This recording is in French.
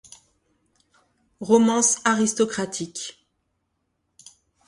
Romances aristocratiques.